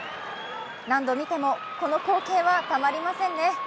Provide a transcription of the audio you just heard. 何度見てもこの光景はたまりませんね。